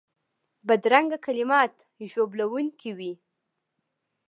بدرنګه کلمات ژوبلونکي وي